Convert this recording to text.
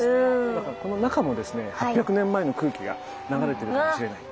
だからこの中もですね８００年前の空気が流れてるかもしれない。